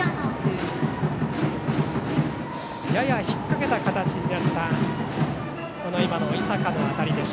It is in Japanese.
やや引っかけた形になった今の井坂の当たり。